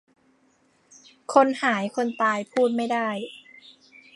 คนหายคนตายพูดไม่ได้